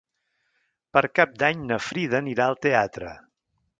Per Cap d'Any na Frida anirà al teatre.